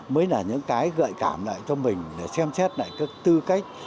mới là những cái gợi cảm lại cho mình để xem xét lại các tư cách